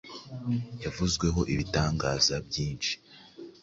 Yavuzweho ibitangaza byinshi